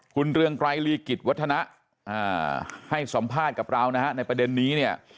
คุณเรืองไกรลีกิจวัฒนะให้สัมภาษณ์กับเรานะฮะในประเด็นนี้เนี่ย